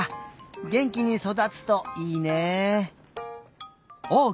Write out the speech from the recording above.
げんきにそだつといいね。